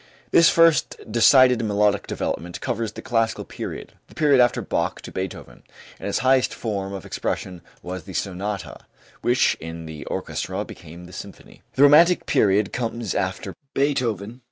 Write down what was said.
This first decided melodic development covers the classical period, the period after Bach to Beethoven, and its highest form of expression was the sonata, which in the orchestra became the symphony. The romantic period comes after Beethoven.